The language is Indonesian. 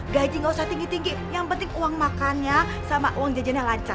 gaji gak usah tinggi tinggi yang penting uang makannya sama uang jajannya lancar